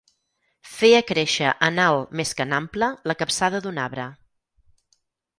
Feia créixer en alt més que en ample la capçada d'un arbre.